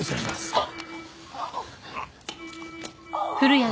あっ。